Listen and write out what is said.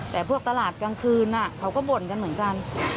แต่พวกตลาดกลางคืนเขาก็บ่นกันเหมือนกัน